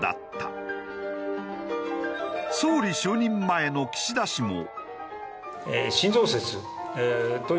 総理就任前の岸田氏も。